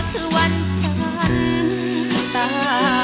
คือวันฉันตา